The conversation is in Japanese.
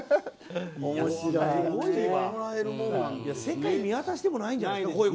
世界見渡してもないんじゃないですか。